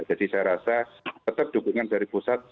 jadi saya rasa tetap dukungan dari pusat